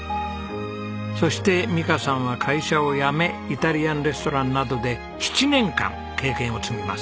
そして美香さんは会社を辞めイタリアンレストランなどで７年間経験を積みます。